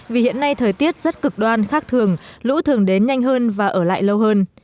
vì hiện nay thời tiết rất cực đoan khác thường lũ thường đến nhanh hơn và ở lại lâu hơn